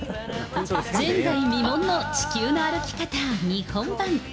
前代未聞の地球の歩き方・日本版。